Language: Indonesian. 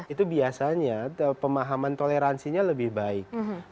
itu biasanya pemahaman toleransinya lebih baik